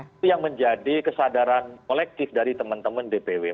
itu yang menjadi kesadaran kolektif dari teman teman dpw